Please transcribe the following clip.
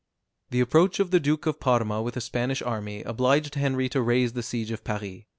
The approach of the Duke of Parma with a Spanish army obliged Henry to raise the siege of Paris.